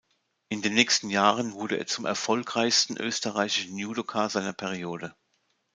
In den nächsten Jahren wurde er zum erfolgreichsten österreichischen Judoka seiner Periode.